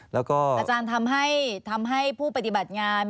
แล้วก็อาจารย์ทำให้ผู้ปฏิบัติงาน